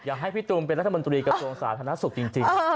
ให้พี่ตูนเป็นรัฐมนตรีกระทรวงสาธารณสุขจริง